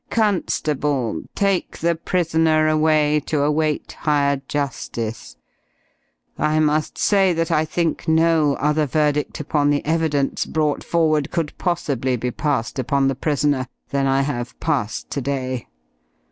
Constable, take the prisoner away to await higher justice. I must say that I think no other verdict upon the evidence brought forward could possibly be passed upon the prisoner than I have passed to day.